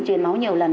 chuyển máu nhiều lần